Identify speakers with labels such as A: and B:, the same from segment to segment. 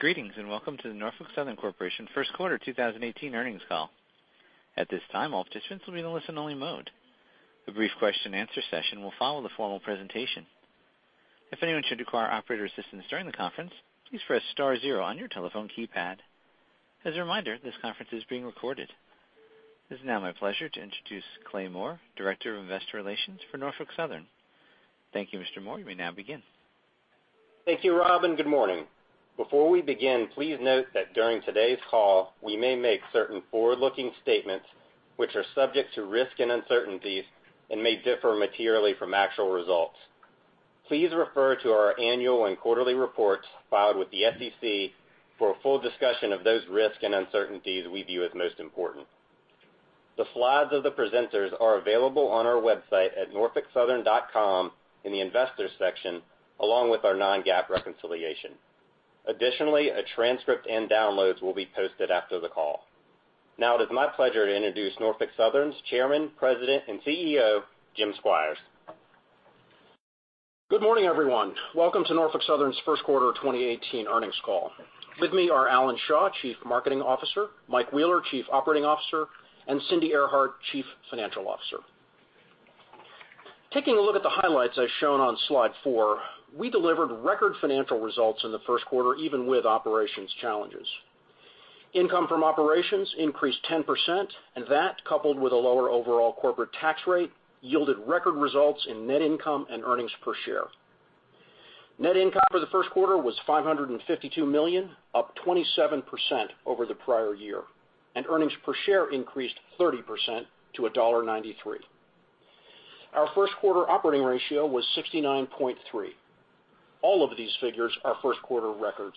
A: Greetings, welcome to the Norfolk Southern Corporation first quarter 2018 earnings call. At this time, all participants will be in listen-only mode. A brief question and answer session will follow the formal presentation. If anyone should require operator assistance during the conference, please press star zero on your telephone keypad. As a reminder, this conference is being recorded. It is now my pleasure to introduce Clay Moore, Director of Investor Relations for Norfolk Southern. Thank you, Mr. Moore. You may now begin.
B: Thank you, Rob, good morning. Before we begin, please note that during today's call, we may make certain forward-looking statements which are subject to risk and uncertainties and may differ materially from actual results. Please refer to our annual and quarterly reports filed with the SEC for a full discussion of those risks and uncertainties we view as most important. The slides of the presenters are available on our website at norfolksouthern.com in the Investors section, along with our non-GAAP reconciliation. Additionally, a transcript and downloads will be posted after the call. Now it is my pleasure to introduce Norfolk Southern's Chairman, President, and CEO, Jim Squires.
C: Good morning, everyone. Welcome to Norfolk Southern's first quarter 2018 earnings call. With me are Alan Shaw, Chief Marketing Officer, Mike Wheeler, Chief Operating Officer, and Cindy Earhart, Chief Financial Officer. Taking a look at the highlights as shown on slide four, we delivered record financial results in the first quarter, even with operations challenges. Income from operations increased 10%, that, coupled with a lower overall corporate tax rate, yielded record results in net income and earnings per share. Net income for the first quarter was $552 million, up 27% over the prior year. Earnings per share increased 30% to $1.93. Our first quarter operating ratio was 69.3. All of these figures are first-quarter records.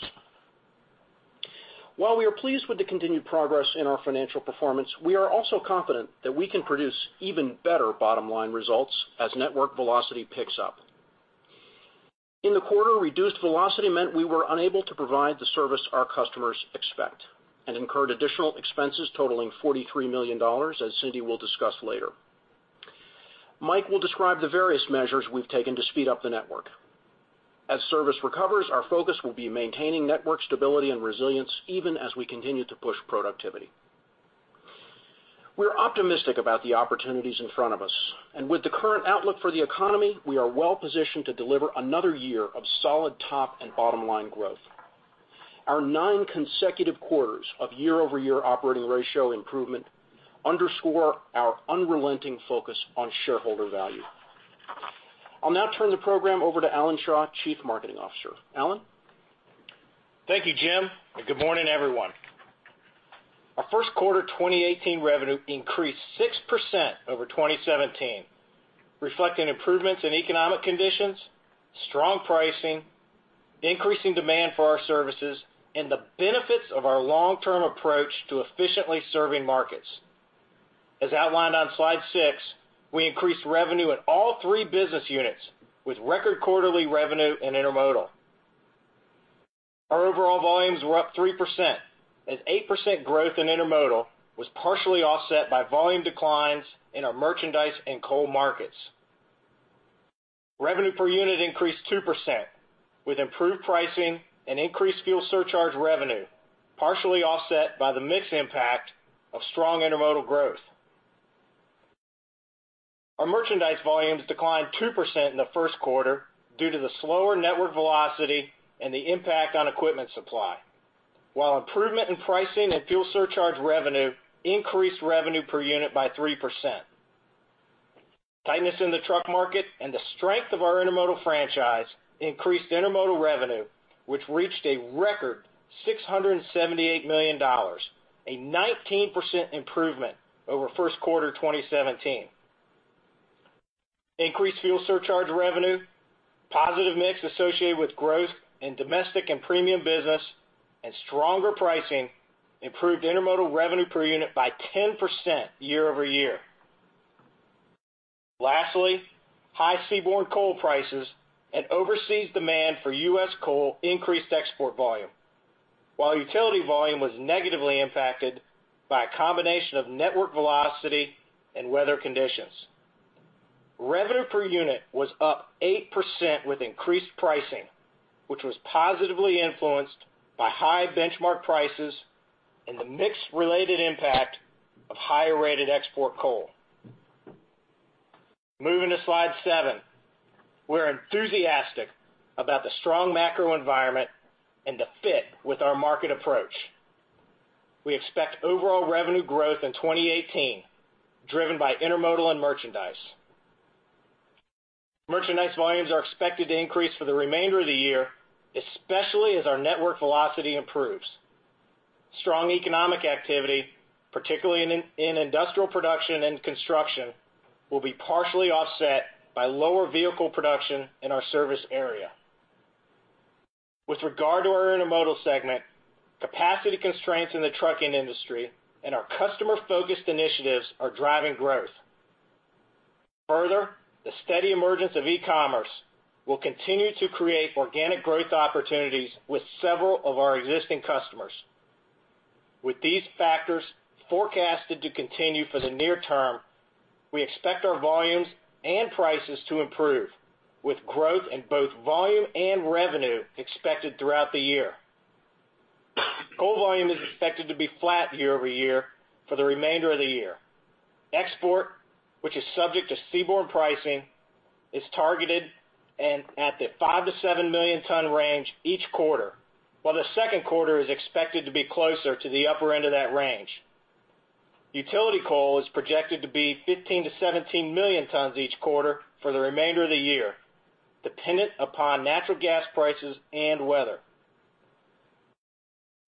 C: While we are pleased with the continued progress in our financial performance, we are also confident that we can produce even better bottom-line results as network velocity picks up. In the quarter, reduced velocity meant we were unable to provide the service our customers expect and incurred additional expenses totaling $43 million, as Cindy will discuss later. Mike will describe the various measures we've taken to speed up the network. As service recovers, our focus will be maintaining network stability and resilience even as we continue to push productivity. We're optimistic about the opportunities in front of us. With the current outlook for the economy, we are well-positioned to deliver another year of solid top and bottom-line growth. Our nine consecutive quarters of year-over-year operating ratio improvement underscore our unrelenting focus on shareholder value. I'll now turn the program over to Alan Shaw, Chief Marketing Officer. Alan?
D: Thank you, Jim, and good morning, everyone. Our first quarter 2018 revenue increased 6% over 2017, reflecting improvements in economic conditions, strong pricing, increasing demand for our services, and the benefits of our long-term approach to efficiently serving markets. As outlined on slide six, we increased revenue in all three business units with record quarterly revenue and Intermodal. Our overall volumes were up 3% as 8% growth in Intermodal was partially offset by volume declines in our Merchandise and coal markets. Revenue per unit increased 2% with improved pricing and increased fuel surcharge revenue, partially offset by the mix impact of strong Intermodal growth. Our Merchandise volumes declined 2% in the first quarter due to the slower network velocity and the impact on equipment supply. While improvement in pricing and fuel surcharge revenue increased Revenue per unit by 3%. Tightness in the truck market and the strength of our Intermodal franchise increased Intermodal revenue, which reached a record $678 million, a 19% improvement over first quarter 2017. Increased fuel surcharge revenue, positive mix associated with growth in domestic and premium business, and stronger pricing improved Intermodal Revenue per unit by 10% year-over-year. Lastly, high seaborne coal prices and overseas demand for U.S. coal increased export volume. While utility volume was negatively impacted by a combination of network velocity and weather conditions. Revenue per unit was up 8% with increased pricing, which was positively influenced by high benchmark prices and the mix-related impact of higher-rated export coal. Moving to slide seven. We're enthusiastic about the strong macro environment and the fit with our market approach. We expect overall revenue growth in 2018, driven by Intermodal and Merchandise. Merchandise volumes are expected to increase for the remainder of the year, especially as our network velocity improves. Strong economic activity, particularly in industrial production and construction, will be partially offset by lower vehicle production in our service area. With regard to our Intermodal segment, capacity constraints in the trucking industry and our customer-focused initiatives are driving growth. Further, the steady emergence of e-commerce will continue to create organic growth opportunities with several of our existing customers. With these factors forecasted to continue for the near term, we expect our volumes and prices to improve, with growth in both volume and revenue expected throughout the year. Coal volume is expected to be flat year-over-year for the remainder of the year. Export, which is subject to seaborne pricing, is targeted at the 5 million to 7 million ton range each quarter, while the second quarter is expected to be closer to the upper end of that range. Utility coal is projected to be 15 million to 17 million tons each quarter for the remainder of the year, dependent upon natural gas prices and weather.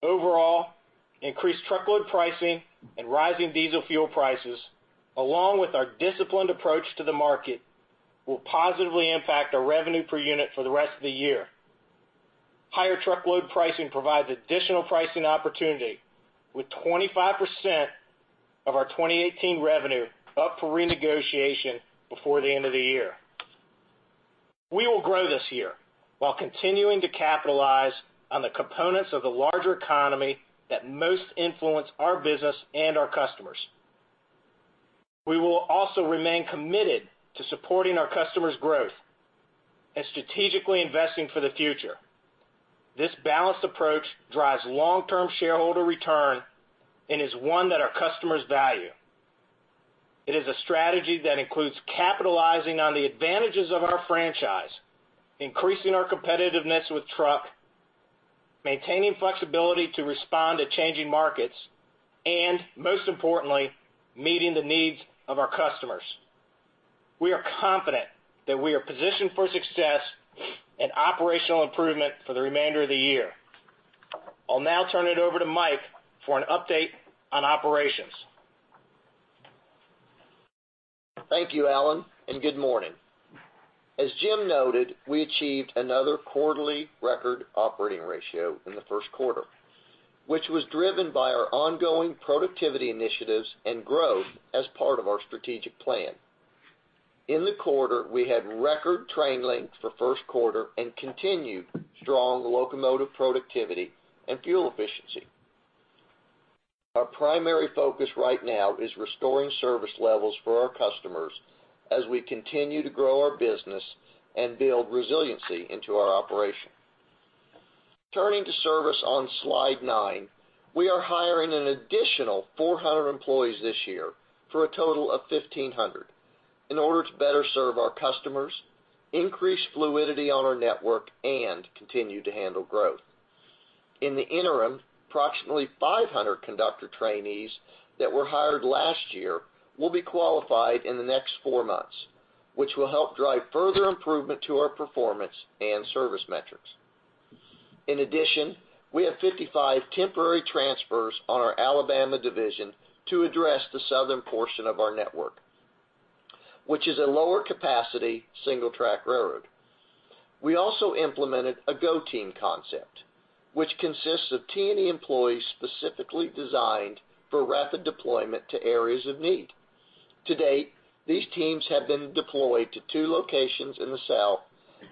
D: Overall, increased truckload pricing and rising diesel fuel prices, along with our disciplined approach to the market, will positively impact our Revenue per unit for the rest of the year. Higher truckload pricing provides additional pricing opportunity, with 25% of our 2018 revenue up for renegotiation before the end of the year. We will grow this year while continuing to capitalize on the components of the larger economy that most influence our business and our customers. We will also remain committed to supporting our customers' growth and strategically investing for the future. This balanced approach drives long-term shareholder return and is one that our customers value. It is a strategy that includes capitalizing on the advantages of our franchise, increasing our competitiveness with truck, maintaining flexibility to respond to changing markets, and most importantly, meeting the needs of our customers. We are confident that we are positioned for success and operational improvement for the remainder of the year. I'll now turn it over to Mike for an update on operations.
E: Thank you, Alan, and good morning. As Jim noted, we achieved another quarterly record operating ratio in the first quarter, which was driven by our ongoing productivity initiatives and growth as part of our strategic plan. In the quarter, we had record train length for first quarter and continued strong locomotive productivity and fuel efficiency. Our primary focus right now is restoring service levels for our customers as we continue to grow our business and build resiliency into our operation. Turning to service on Slide nine, we are hiring an additional 400 employees this year for a total of 1,500 in order to better serve our customers, increase fluidity on our network, and continue to handle growth. In the interim, approximately 500 conductor trainees that were hired last year will be qualified in the next four months, which will help drive further improvement to our performance and service metrics. In addition, we have 55 temporary transfers on our Alabama division to address the southern portion of our network, which is a lower capacity, single-track railroad. We also implemented a go team concept, which consists of T&E employees specifically designed for rapid deployment to areas of need. To date, these teams have been deployed to two locations in the South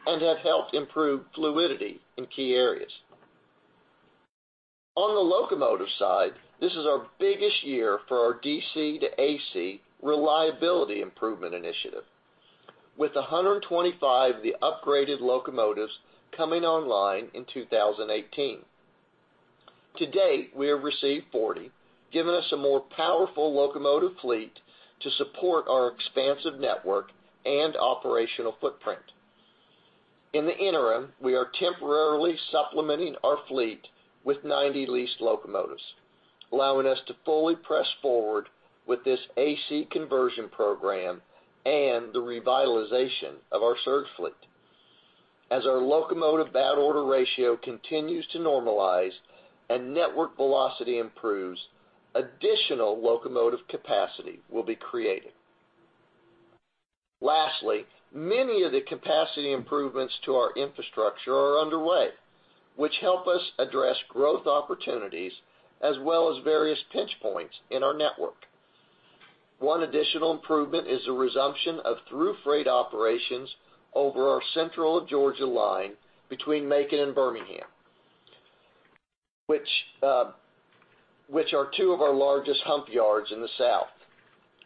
E: and have helped improve fluidity in key areas. On the locomotive side, this is our biggest year for our DC to AC reliability improvement initiative, with 125 of the upgraded locomotives coming online in 2018. To date, we have received 40, giving us a more powerful locomotive fleet to support our expansive network and operational footprint. In the interim, we are temporarily supplementing our fleet with 90 leased locomotives, allowing us to fully press forward with this AC conversion program and the revitalization of our surge fleet. As our locomotive bad order ratio continues to normalize and network velocity improves, additional locomotive capacity will be created. Lastly, many of the capacity improvements to our infrastructure are underway, which help us address growth opportunities as well as various pinch points in our network. One additional improvement is the resumption of through-freight operations over our Central of Georgia line between Macon and Birmingham, which are two of our largest hump yards in the South.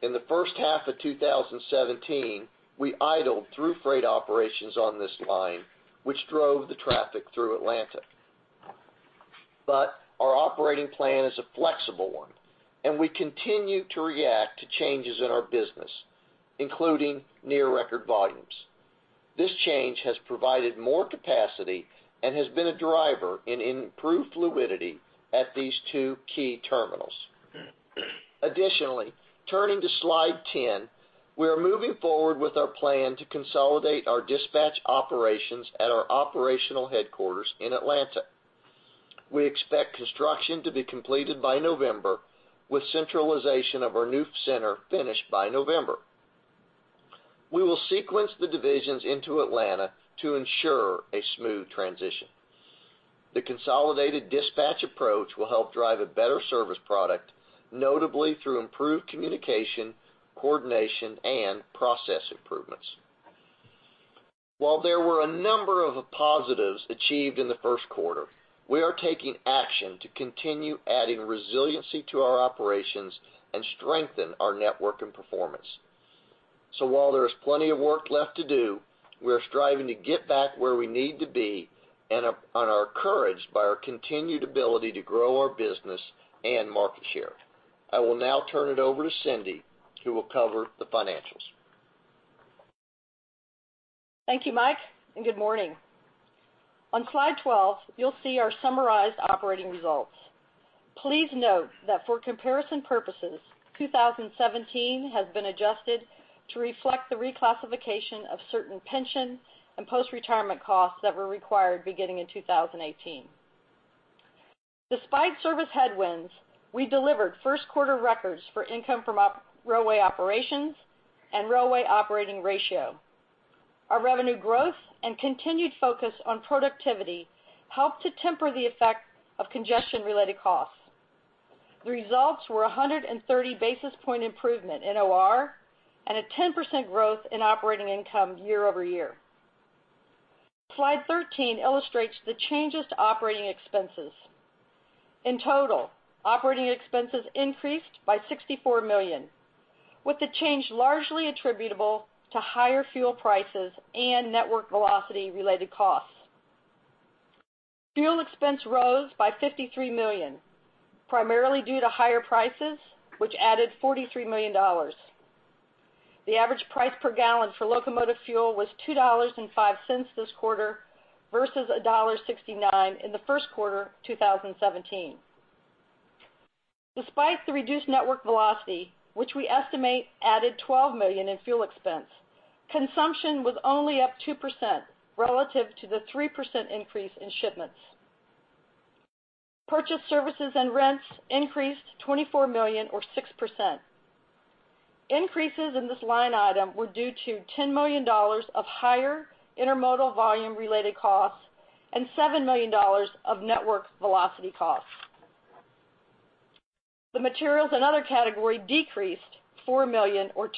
E: In the first half of 2017, we idled through-freight operations on this line, which drove the traffic through Atlanta. Our operating plan is a flexible one, and we continue to react to changes in our business, including near record volumes. This change has provided more capacity and has been a driver in improved fluidity at these two key terminals. Turning to Slide 10, we are moving forward with our plan to consolidate our dispatch operations at our operational headquarters in Atlanta. We expect construction to be completed by November, with centralization of our new center finished by November. We will sequence the divisions into Atlanta to ensure a smooth transition. The consolidated dispatch approach will help drive a better service product, notably through improved communication, coordination, and process improvements. While there were a number of positives achieved in the first quarter, we are taking action to continue adding resiliency to our operations and strengthen our network and performance. While there is plenty of work left to do, we are striving to get back where we need to be and are encouraged by our continued ability to grow our business and market share. I will now turn it over to Cindy, who will cover the financials.
F: Thank you, Mike, and good morning. On slide 12, you'll see our summarized operating results. Please note that for comparison purposes, 2017 has been adjusted to reflect the reclassification of certain pension and post-retirement costs that were required beginning in 2018. Despite service headwinds, we delivered first-quarter records for income from railway operations and railway operating ratio. Our revenue growth and continued focus on productivity helped to temper the effect of congestion-related costs. The results were 130 basis point improvement in OR and a 10% growth in operating income year-over-year. Slide 13 illustrates the changes to operating expenses. In total, operating expenses increased by $64 million, with the change largely attributable to higher fuel prices and network velocity-related costs. Fuel expense rose by $53 million, primarily due to higher prices, which added $43 million. The average price per gallon for locomotive fuel was $2.05 this quarter versus $1.69 in the first quarter of 2017. Despite the reduced network velocity, which we estimate added $12 million in fuel expense, consumption was only up 2% relative to the 3% increase in shipments. Purchased services and rents increased $24 million or 6%. Increases in this line item were due to $10 million of higher intermodal volume-related costs and $7 million of network velocity costs. The materials and other category decreased $4 million or 2%.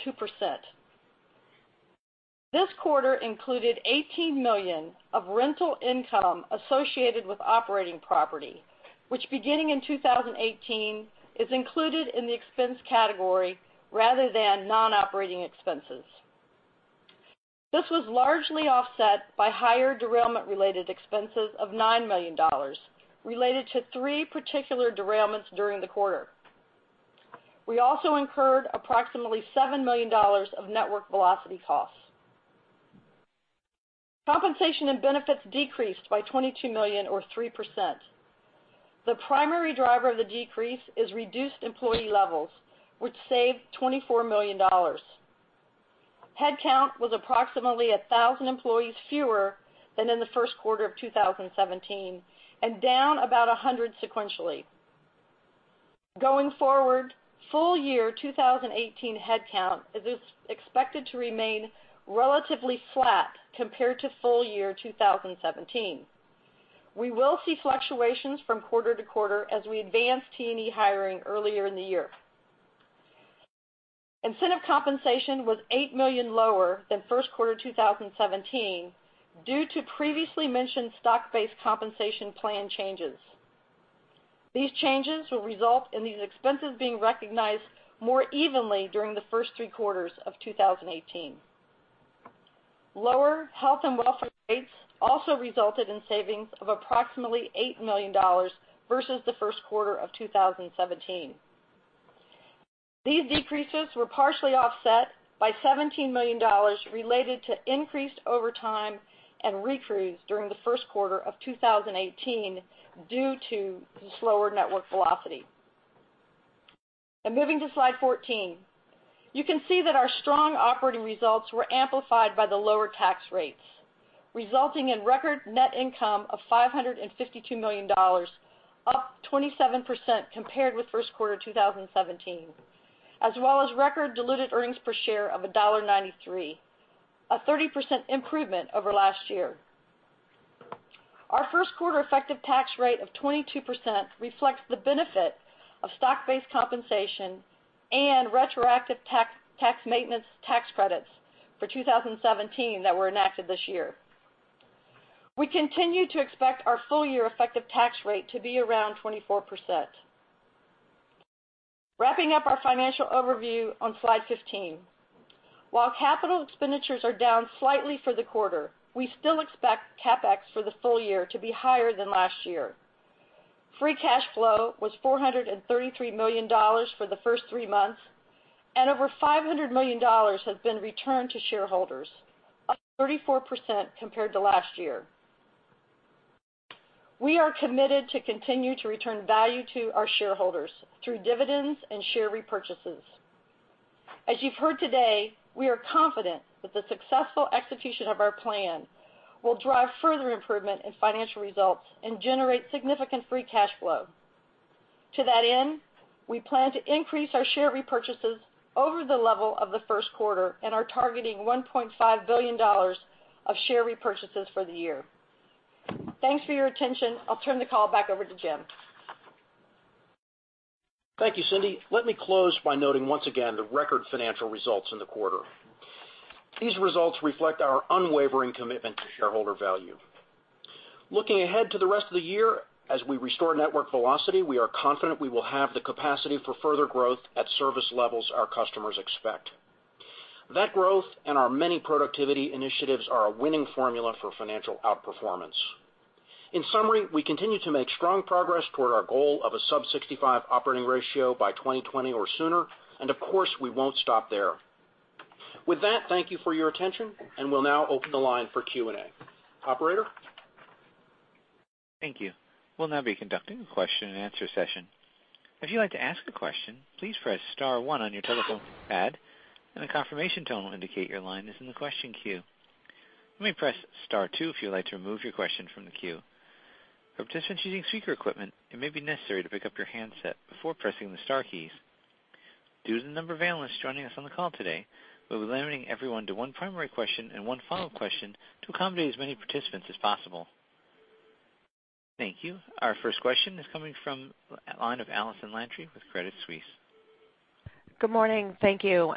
F: This quarter included $18 million of rental income associated with operating property, which beginning in 2018, is included in the expense category rather than non-operating expenses. This was largely offset by higher derailment-related expenses of $9 million related to three particular derailments during the quarter. We also incurred approximately $7 million of network velocity costs. Compensation and benefits decreased by $22 million or 3%. The primary driver of the decrease is reduced employee levels, which saved $24 million. Headcount was approximately 1,000 employees fewer than in the first quarter of 2017 and down about 100 sequentially. Going forward, full-year 2018 headcount is expected to remain relatively flat compared to full-year 2017. We will see fluctuations from quarter to quarter as we advance T&E hiring earlier in the year. Incentive compensation was $8 million lower than first quarter 2017 due to previously mentioned stock-based compensation plan changes. These changes will result in these expenses being recognized more evenly during the first three quarters of 2018. Lower health and welfare rates also resulted in savings of approximately $8 million versus the first quarter of 2017. These decreases were partially offset by $17 million related to increased overtime and recrew during the first quarter of 2018 due to the slower network velocity. Moving to slide 14, you can see that our strong operating results were amplified by the lower tax rates, resulting in record net income of $552 million, up 27% compared with first quarter 2017, as well as record diluted earnings per share of $1.93, a 30% improvement over last year. Our first quarter effective tax rate of 22% reflects the benefit of stock-based compensation and retroactive tax maintenance tax credits for 2017 that were enacted this year. We continue to expect our full-year effective tax rate to be around 24%. Wrapping up our financial overview on slide 15, while capital expenditures are down slightly for the quarter, we still expect CapEx for the full year to be higher than last year. Free cash flow was $433 million for the first three months, and over $500 million has been returned to shareholders, up 34% compared to last year. We are committed to continue to return value to our shareholders through dividends and share repurchases. As you've heard today, we are confident that the successful execution of our plan will drive further improvement in financial results and generate significant free cash flow. To that end, we plan to increase our share repurchases over the level of the first quarter and are targeting $1.5 billion of share repurchases for the year. Thanks for your attention. I'll turn the call back over to Jim.
C: Thank you, Cindy. Let me close by noting once again the record financial results in the quarter. These results reflect our unwavering commitment to shareholder value. Looking ahead to the rest of the year, as we restore network velocity, we are confident we will have the capacity for further growth at service levels our customers expect. That growth and our many productivity initiatives are a winning formula for financial outperformance. In summary, we continue to make strong progress toward our goal of a sub 65 operating ratio by 2020 or sooner, and of course, we won't stop there. With that, thank you for your attention, and we'll now open the line for Q&A. Operator?
A: Thank you. We'll now be conducting a question and answer session. If you'd like to ask a question, please press * one on your telephone pad, and a confirmation tone will indicate your line is in the question queue. You may press * two if you'd like to remove your question from the queue. For participants using speaker equipment, it may be necessary to pick up your handset before pressing the star keys. Due to the number of analysts joining us on the call today, we'll be limiting everyone to one primary question and one follow-up question to accommodate as many participants as possible. Thank you. Our first question is coming from the line of Allison Landry with Credit Suisse.
G: Good morning. Thank you.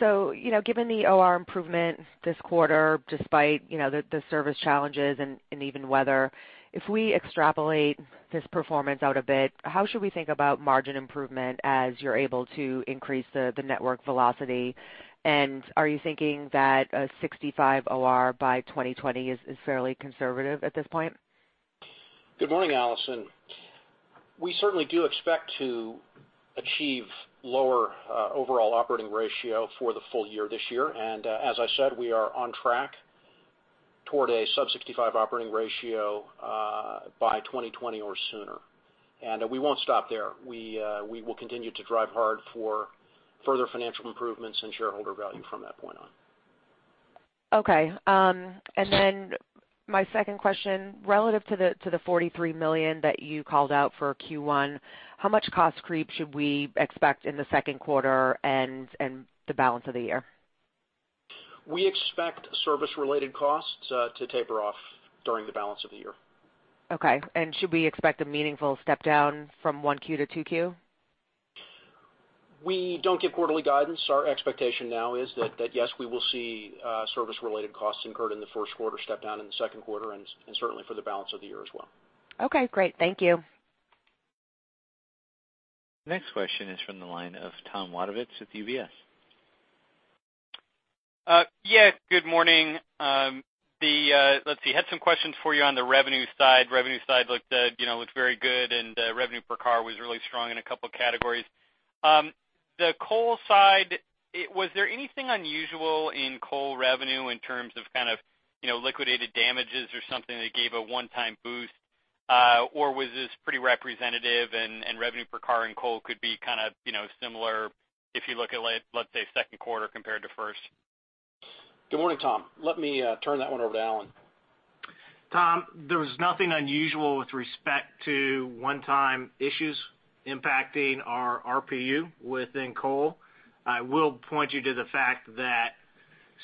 G: Given the OR improvement this quarter, despite the service challenges and even weather, if we extrapolate this performance out a bit, how should we think about margin improvement as you're able to increase the network velocity? Are you thinking that a 65 OR by 2020 is fairly conservative at this point?
C: Good morning, Allison Landry. We certainly do expect to achieve lower overall operating ratio for the full year this year. As I said, we are on track toward a sub 65 operating ratio by 2020 or sooner. We won't stop there. We will continue to drive hard for further financial improvements and shareholder value from that point on.
G: Okay. My second question, relative to the $43 million that you called out for Q1, how much cost creep should we expect in the second quarter and the balance of the year?
C: We expect service related costs to taper off during the balance of the year.
G: Okay, should we expect a meaningful step down from 1Q to 2Q?
C: We don't give quarterly guidance. Our expectation now is that, yes, we will see service related costs incurred in the first quarter step down in the second quarter, and certainly for the balance of the year as well.
G: Okay, great. Thank you.
A: Next question is from the line of Tom Wadewitz with UBS.
H: Good morning. Let's see, had some questions for you on the revenue side. Revenue side looked very good, and revenue per car was really strong in a couple of categories. The coal side, was there anything unusual in coal revenue in terms of liquidated damages or something that gave a one-time boost? Was this pretty representative and revenue per car and coal could be similar if you look at, let's say, second quarter compared to first?
C: Good morning, Tom. Let me turn that one over to Alan.
D: Tom, there was nothing unusual with respect to one-time issues impacting our RPU within coal. I will point you to the fact that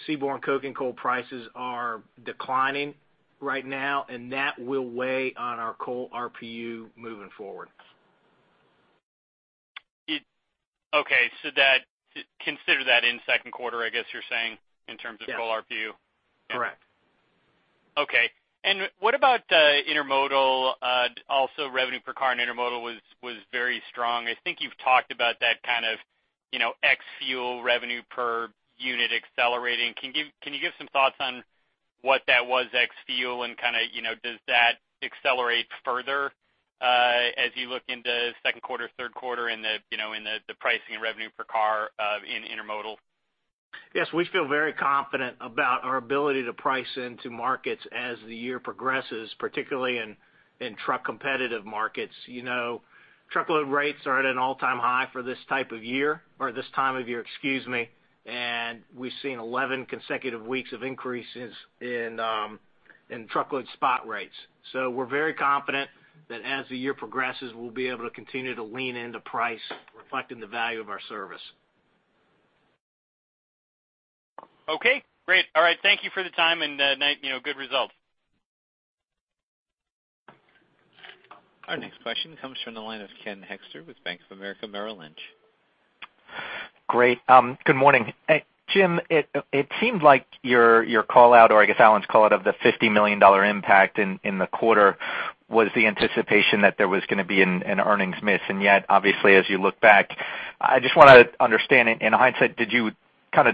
D: seaborne coke and coal prices are declining right now, and that will weigh on our coal RPU moving forward.
H: Okay, consider that in second quarter, I guess you're saying, in terms of coal RPU?
D: Yes. Correct.
H: Okay. What about intermodal? Also, revenue per car and intermodal was very strong. I think you've talked about that ex-fuel revenue per unit accelerating. Can you give some thoughts on what that was ex-fuel and does that accelerate further as you look into second quarter, third quarter in the pricing and revenue per car in intermodal?
D: Yes, we feel very confident about our ability to price into markets as the year progresses, particularly in truck competitive markets. Truckload rates are at an all-time high for this time of year. We've seen 11 consecutive weeks of increases in truckload spot rates. We're very confident that as the year progresses, we'll be able to continue to lean into price, reflecting the value of our service.
H: Okay, great. All right. Thank you for the time and good results.
A: Our next question comes from the line of Ken Hoexter with Bank of America Merrill Lynch.
I: Great. Good morning. Jim, it seemed like your call out, or I guess Alan's call out of the $50 million impact in the quarter was the anticipation that there was going to be an earnings miss, and yet, obviously, as you look back, I just want to understand in hindsight, did you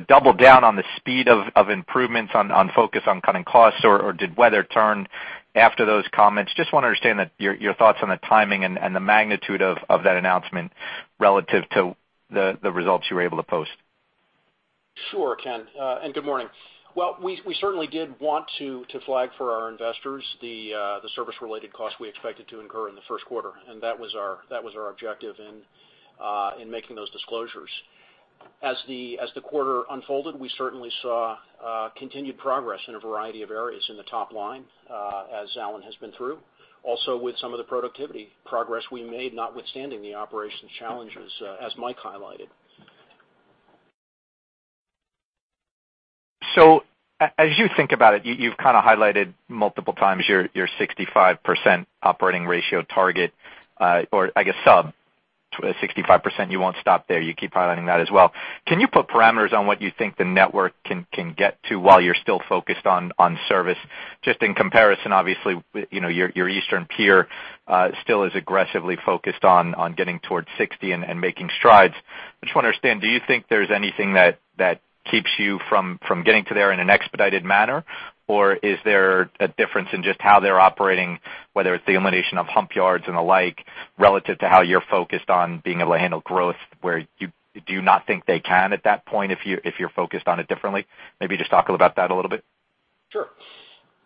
I: double down on the speed of improvements on focus on cutting costs, or did weather turn after those comments? Just want to understand your thoughts on the timing and the magnitude of that announcement relative to the results you were able to post.
C: Sure, Ken, and good morning. Well, we certainly did want to flag for our investors the service related cost we expected to incur in the first quarter, and that was our objective in making those disclosures. As the quarter unfolded, we certainly saw continued progress in a variety of areas in the top line as Alan has been through, also with some of the productivity progress we made, notwithstanding the operations challenges as Mike highlighted.
I: As you think about it, you've kind of highlighted multiple times your 65% operating ratio target, or I guess sub 65%, you won't stop there, you keep highlighting that as well. Can you put parameters on what you think the network can get to while you're still focused on service? Just in comparison, obviously, your Eastern peer still is aggressively focused on getting towards 60 and making strides. I just want to understand, do you think there's anything that keeps you from getting to there in an expedited manner? Is there a difference in just how they're operating, whether it's the elimination of hump yards and the like, relative to how you're focused on being able to handle growth, where you do not think they can at that point if you're focused on it differently? Maybe just talk about that a little bit.
C: Sure.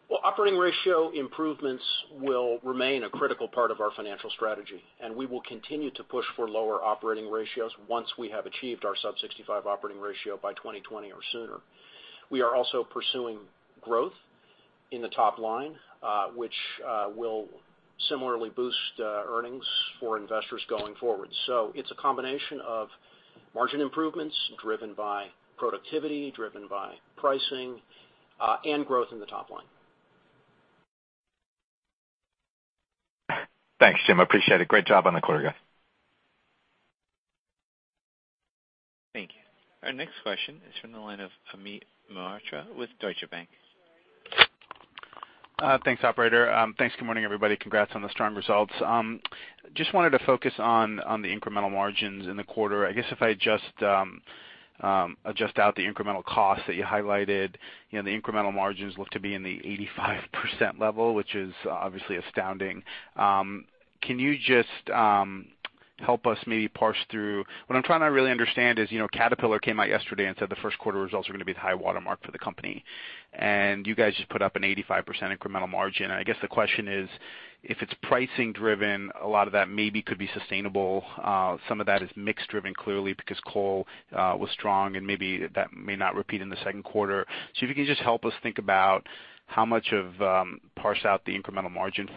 C: Well, operating ratio improvements will remain a critical part of our financial strategy, and we will continue to push for lower operating ratios once we have achieved our sub 65 operating ratio by 2020 or sooner. We are also pursuing growth in the top line, which will similarly boost earnings for investors going forward. It's a combination of margin improvements driven by productivity, driven by pricing, and growth in the top line.
I: Thanks, Jim, appreciate it. Great job on the quarter, guys.
A: Thank you. Our next question is from the line of Amit Mehrotra with Deutsche Bank.
J: Thanks, operator. Thanks. Good morning, everybody. Congrats on the strong results. Just wanted to focus on the incremental margins in the quarter. I guess if I adjust out the incremental cost that you highlighted, the incremental margins look to be in the 85% level, which is obviously astounding. Can you just help us maybe parse through-- what I'm trying to really understand is, Caterpillar came out yesterday and said the first quarter results are going to be the high watermark for the company. You guys just put up an 85% incremental margin. I guess the question is, if it's pricing driven, a lot of that maybe could be sustainable. Some of that is mix driven, clearly, because coal was strong and maybe that may not repeat in the second quarter. If you could just help us think about parse out the incremental margin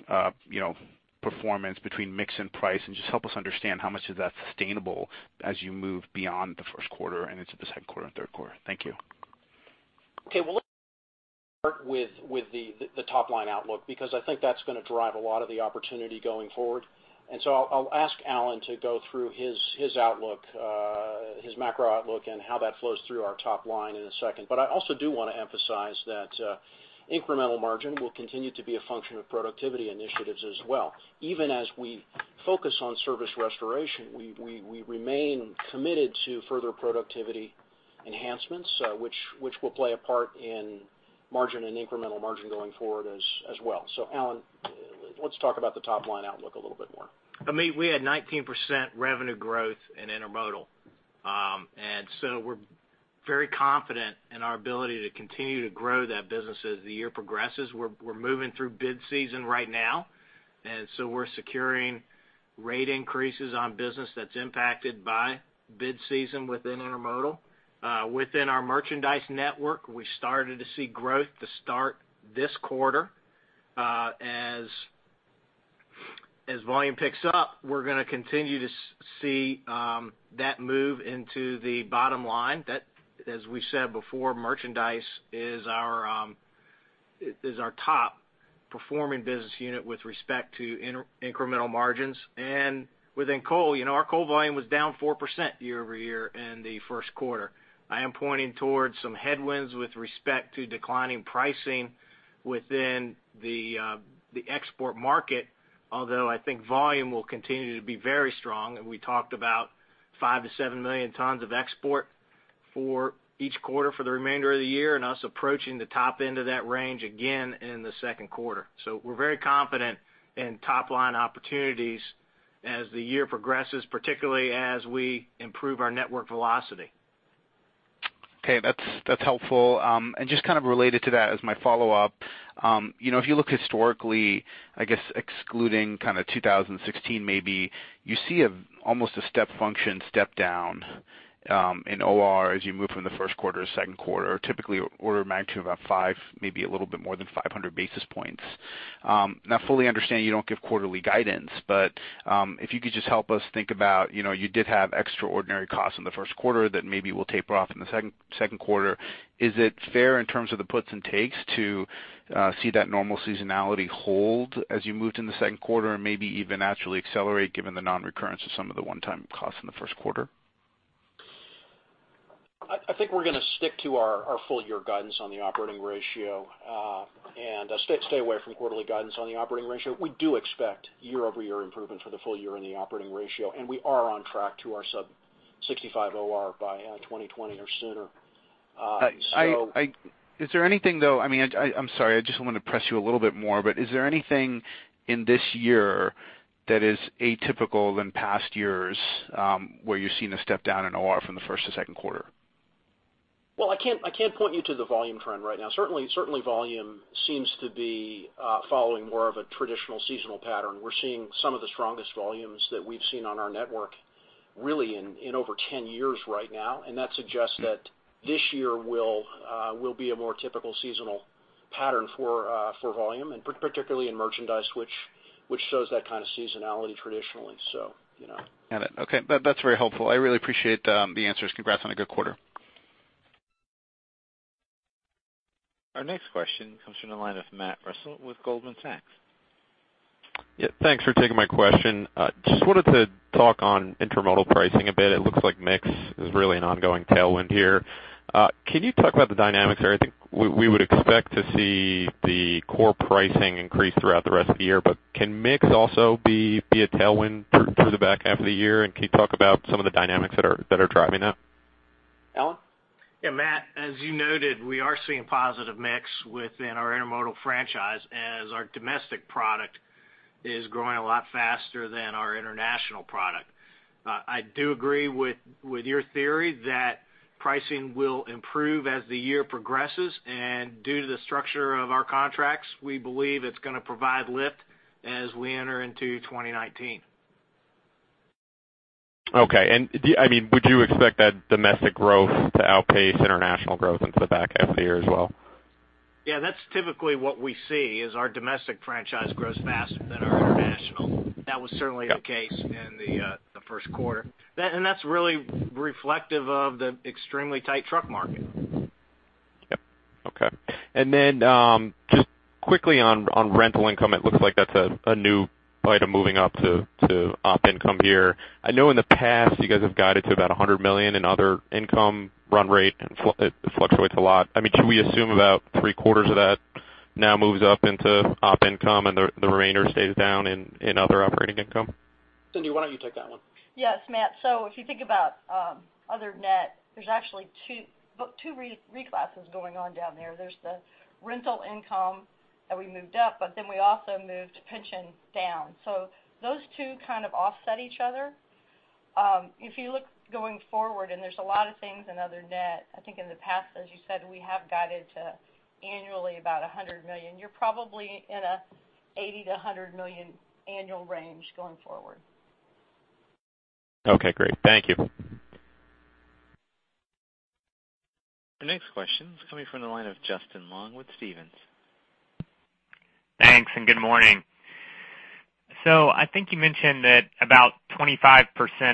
J: performance between mix and price, and just help us understand how much of that's sustainable as you move beyond the first quarter and into the second quarter and third quarter. Thank you.
C: Let me start with the top-line outlook, because I think that's going to drive a lot of the opportunity going forward. I'll ask Alan to go through his outlook, his macro outlook, and how that flows through our top line in a second. I also do want to emphasize that incremental margin will continue to be a function of productivity initiatives as well. Even as we focus on service restoration, we remain committed to further productivity enhancements, which will play a part in margin and incremental margin going forward as well. Alan, let's talk about the top-line outlook a little bit more.
D: Amit, we had 19% revenue growth in intermodal. We're very confident in our ability to continue to grow that business as the year progresses. We're moving through bid season right now, we're securing rate increases on business that's impacted by bid season within intermodal. Within our merchandise network, we started to see growth to start this quarter. As volume picks up, we're going to continue to see that move into the bottom line. As we said before, merchandise is our top performing business unit with respect to incremental margins. Within coal, our coal volume was down 4% year-over-year in the first quarter. I am pointing towards some headwinds with respect to declining pricing within the export market, although I think volume will continue to be very strong. We talked about 5 million-7 million tons of export for each quarter for the remainder of the year, and us approaching the top end of that range again in the second quarter. We're very confident in top-line opportunities as the year progresses, particularly as we improve our network velocity.
J: Okay. That's helpful. Just kind of related to that as my follow-up. If you look historically, I guess excluding kind of 2016 maybe, you see almost a step function step down in OR as you move from the first quarter to second quarter, typically order of magnitude of about five, maybe a little bit more than 500 basis points. Now, I fully understand you don't give quarterly guidance, but if you could just help us think about, you did have extraordinary costs in the first quarter that maybe will taper off in the second quarter. Is it fair in terms of the puts and takes to see that normal seasonality hold as you moved into the second quarter and maybe even naturally accelerate given the non-recurrence of some of the one-time costs in the first quarter?
C: I think we're going to stick to our full year guidance on the operating ratio, and stay away from quarterly guidance on the operating ratio. We do expect year-over-year improvement for the full year in the operating ratio, and we are on track to our sub 65 OR by 2020 or sooner.
J: Is there anything, though, I mean, I'm sorry, I just want to press you a little bit more, but is there anything in this year that is atypical than past years, where you've seen a step down in OR from the first to second quarter?
C: Well, I can't point you to the volume trend right now. Certainly, volume seems to be following more of a traditional seasonal pattern. We're seeing some of the strongest volumes that we've seen on our network really in over 10 years right now, and that suggests that this year will be a more typical seasonal pattern for volume, and particularly in merchandise, which shows that kind of seasonality traditionally.
J: Got it. Okay. That's very helpful. I really appreciate the answers. Congrats on a good quarter.
A: Our next question comes from the line of Matthew Russell with Goldman Sachs.
K: Yeah, thanks for taking my question. Just wanted to talk on intermodal pricing a bit. It looks like mix is really an ongoing tailwind here. Can you talk about the dynamics there? I think we would expect to see the core pricing increase throughout the rest of the year, but can mix also be a tailwind through the back half of the year? Can you talk about some of the dynamics that are driving that?
C: Alan?
D: Yeah, Matt, as you noted, we are seeing positive mix within our intermodal franchise as our domestic product is growing a lot faster than our international product. I do agree with your theory that pricing will improve as the year progresses, and due to the structure of our contracts, we believe it's going to provide lift as we enter into 2019.
K: Okay. Would you expect that domestic growth to outpace international growth into the back half of the year as well?
D: Yeah. That's typically what we see, is our domestic franchise grows faster than our international. That was certainly the case in the first quarter. That's really reflective of the extremely tight truck market.
K: Yep. Okay. Just quickly on rental income, it looks like that's a new item moving up to op income here. I know in the past you guys have guided to about $100 million in other income run rate. It fluctuates a lot. Can we assume about three quarters of that now moves up into op income and the remainder stays down in other operating income?
C: Cindy, why don't you take that one?
F: Yes, Matt. If you think about other net, there's actually two reclasses going on down there. There's the rental income that we moved up, but then we also moved pension down. Those two kind of offset each other. If you look going forward, and there's a lot of things in other net, I think in the past, as you said, we have guided to annually about $100 million. You're probably in a $80 million-$100 million annual range going forward.
K: Okay, great. Thank you.
A: Our next question is coming from the line of Justin Long with Stephens.
L: Thanks, good morning. I think you mentioned that about 25%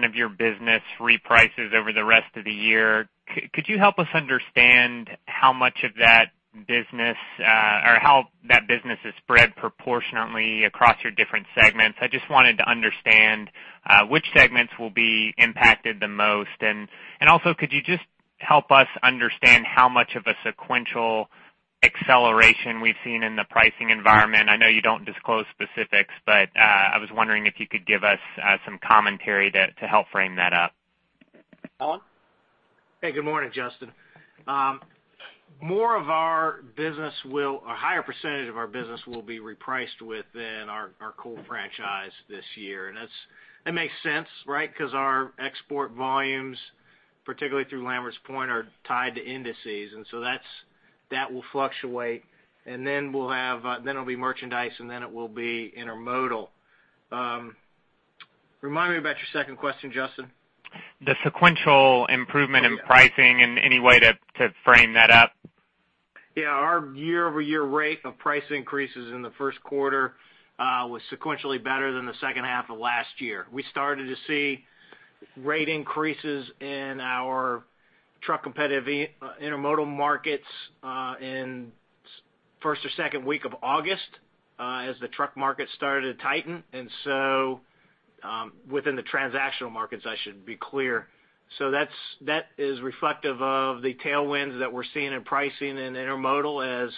L: of your business reprices over the rest of the year. Could you help us understand how much of that business, or how that business is spread proportionately across your different segments? I just wanted to understand which segments will be impacted the most. Could you just help us understand how much of a sequential acceleration we've seen in the pricing environment? I know you don't disclose specifics, but I was wondering if you could give us some commentary to help frame that up.
C: Alan?
D: Hey, good morning, Justin. A higher percentage of our business will be repriced within our coal franchise this year. That makes sense, right? Because our export volumes, particularly through Lamberts Point, are tied to indices, that will fluctuate, then it will be merchandise, then it will be intermodal. Remind me about your second question, Justin.
L: The sequential improvement in pricing, any way to frame that up.
D: Yeah. Our year-over-year rate of price increases in the first quarter was sequentially better than the second half of last year. We started to see rate increases in our truck competitive intermodal markets in first or second week of August as the truck market started to tighten. Within the transactional markets, I should be clear. That is reflective of the tailwinds that we're seeing in pricing in intermodal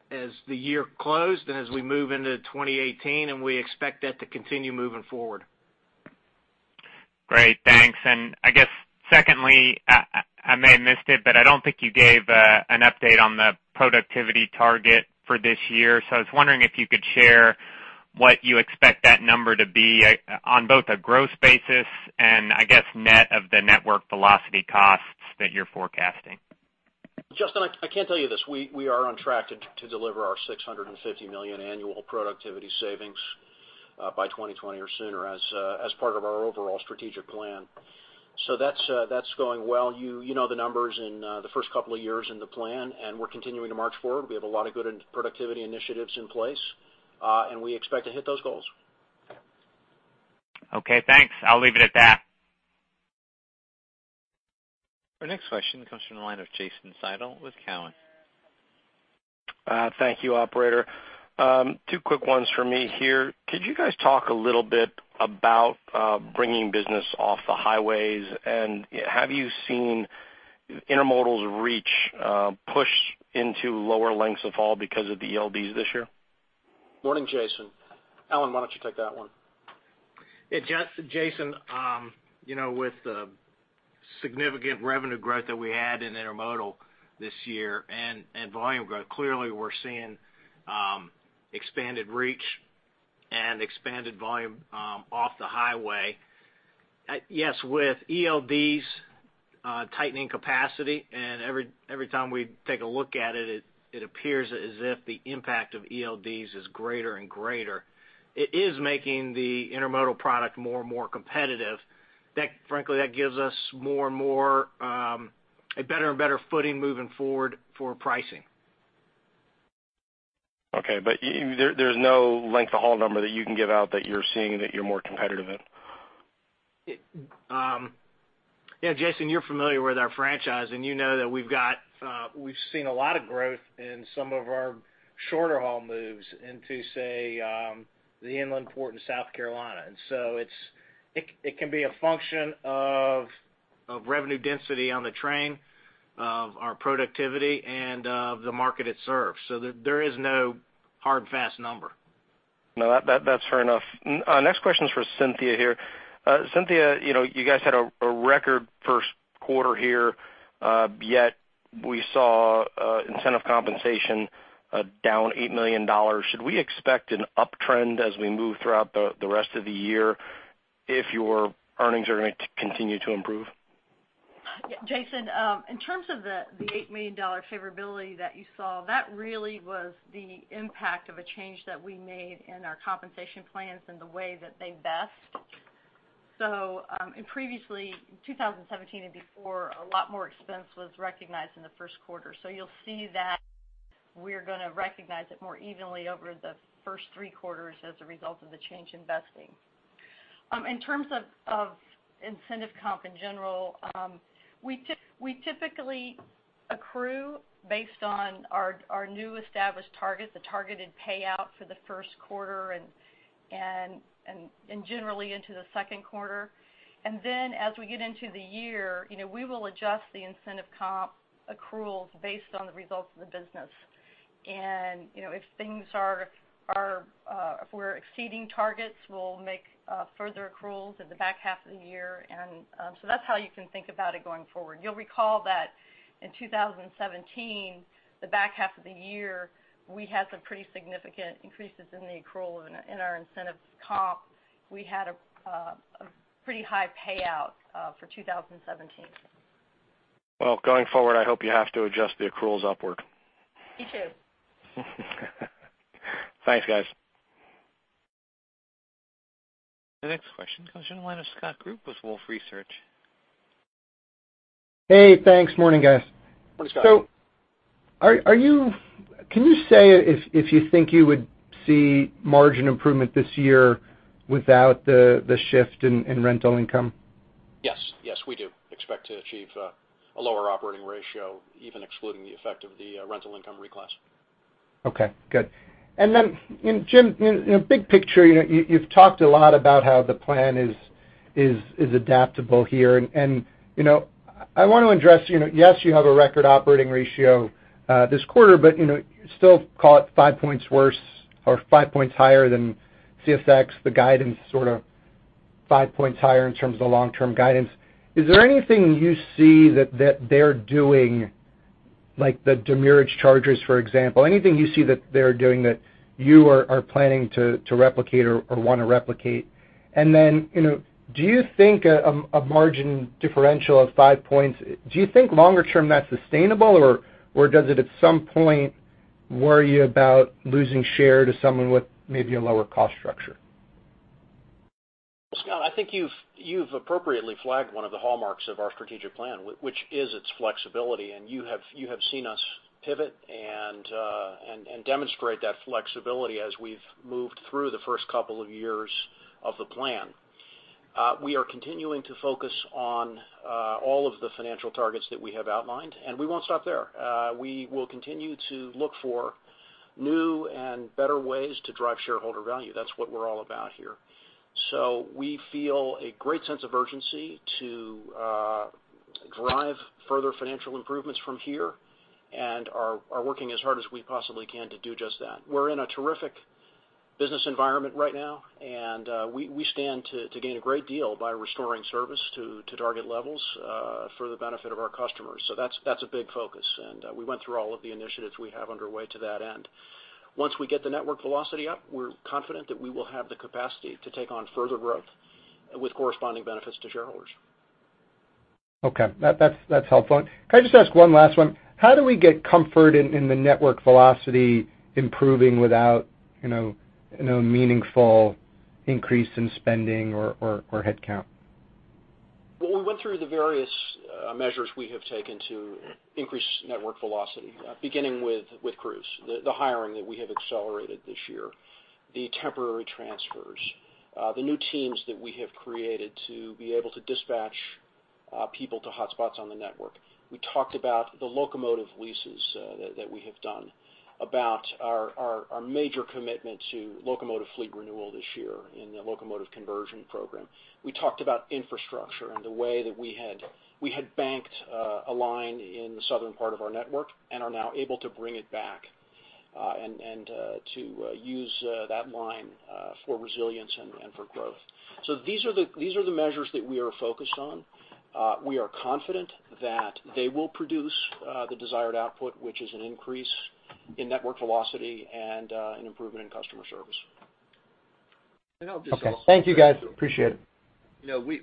D: as the year closed, as we move into 2018, we expect that to continue moving forward.
L: Great, thanks. I guess secondly, I may have missed it, I don't think you gave an update on the productivity target for this year. I was wondering if you could share what you expect that number to be on both a growth basis, I guess, net of the network velocity costs that you're forecasting.
C: Justin, I can tell you this. We are on track to deliver our $650 million annual productivity savings by 2020 or sooner as part of our overall strategic plan. That's going well. You know the numbers in the first couple of years in the plan, we're continuing to march forward. We have a lot of good productivity initiatives in place, we expect to hit those goals.
L: Okay, thanks. I'll leave it at that.
A: Our next question comes from the line of Jason Seidl with Cowen.
M: Thank you, operator. Two quick ones from me here. Could you guys talk a little bit about bringing business off the highways? Have you seen intermodal's reach push into lower lengths of haul because of the ELDs this year?
C: Morning, Jason. Alan, why don't you take that one?
D: Yeah. Jason, with the significant revenue growth that we had in intermodal this year and volume growth, clearly we're seeing expanded reach and expanded volume off the highway. Yes, with ELDs tightening capacity, every time we take a look at it appears as if the impact of ELDs is greater and greater. It is making the intermodal product more and more competitive. Frankly, that gives us a better and better footing moving forward for pricing.
M: Okay. There's no length-of-haul number that you can give out that you're seeing that you're more competitive in?
D: Yeah, Jason, you're familiar with our franchise, you know that we've seen a lot of growth in some of our shorter haul moves into, say, the inland port in South Carolina. It can be a function of revenue density on the train, of our productivity, and of the market it serves. There is no hard, fast number.
M: No, that's fair enough. Next question is for Cynthia here. Cynthia, you guys had a record first quarter here, yet we saw incentive compensation down $8 million. Should we expect an uptrend as we move throughout the rest of the year if your earnings are going to continue to improve?
F: Yeah, Jason, in terms of the $8 million favorability that you saw, that really was the impact of a change that we made in our compensation plans and the way that they vest. Previously, in 2017 and before, a lot more expense was recognized in the first quarter. You'll see that we're going to recognize it more evenly over the first three quarters as a result of the change in vesting. In terms of incentive comp in general, we typically accrue based on our new established targets, the targeted payout for the first quarter and generally into the second quarter. As we get into the year, we will adjust the incentive comp accruals based on the results of the business. If we're exceeding targets, we'll make further accruals in the back half of the year. That's how you can think about it going forward. You'll recall that in 2017, the back half of the year, we had some pretty significant increases in the accrual in our incentive comp. We had a pretty high payout for 2017.
M: Well, going forward, I hope you have to adjust the accruals upward.
F: Me too.
M: Thanks, guys.
A: The next question comes in the line of Scott Group with Wolfe Research.
N: Hey, thanks. Morning, guys.
D: Morning, Scott.
N: Can you say if you think you would see margin improvement this year without the shift in rental income?
C: Yes, we do expect to achieve a lower operating ratio, even excluding the effect of the rental income reclass.
N: Okay, good. Jim, big picture, you've talked a lot about how the plan is adaptable here, and I want to address, yes, you have a record operating ratio this quarter, but you still call it five points worse or five points higher than CSX, the guidance sort of five points higher in terms of the long-term guidance. Is there anything you see that they're doing, like the demurrage charges, for example, anything you see that they're doing that you are planning to replicate or want to replicate? Do you think a margin differential of five points, do you think longer term that's sustainable, or does it at some point worry you about losing share to someone with maybe a lower cost structure?
C: Scott, I think you've appropriately flagged one of the hallmarks of our strategic plan, which is its flexibility, and you have seen us pivot and demonstrate that flexibility as we've moved through the first couple of years of the plan. We are continuing to focus on all of the financial targets that we have outlined, and we won't stop there. We will continue to look for new and better ways to drive shareholder value. That's what we're all about here. We feel a great sense of urgency to drive further financial improvements from here and are working as hard as we possibly can to do just that. We're in a terrific business environment right now, and we stand to gain a great deal by restoring service to target levels for the benefit of our customers. That's a big focus, and we went through all of the initiatives we have underway to that end. Once we get the network velocity up, we're confident that we will have the capacity to take on further growth with corresponding benefits to shareholders.
N: Okay. That's helpful. Can I just ask one last one? How do we get comfort in the network velocity improving without meaningful increase in spending or headcount?
C: Well, we went through the various measures we have taken to increase network velocity, beginning with crews, the hiring that we have accelerated this year, the temporary transfers, the new teams that we have created to be able to dispatch people to hotspots on the network. We talked about the locomotive leases that we have done, about our major commitment to locomotive fleet renewal this year in the locomotive conversion program. We talked about infrastructure and the way that we had banked a line in the southern part of our network and are now able to bring it back and to use that line for resilience and for growth. These are the measures that we are focused on. We are confident that they will produce the desired output, which is an increase in network velocity and an improvement in customer service.
E: I'll just also.
N: Okay. Thank you, guys. Appreciate it.